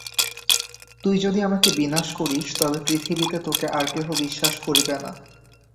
তুই যদি আমাকে বিনাশ করিস, তবে পৃথিবীতে তোকে আর কেহ বিশ্বাস করিবে না।